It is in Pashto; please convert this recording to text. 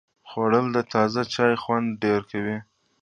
خوړل د تازه چای خوند ډېر کوي